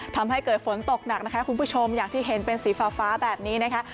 ทำให้เกิดฝนตกหนักนะคะคุณผู้ชมอย่างที่เห็นเป็นสีฟ้าแบบนี้นะคะ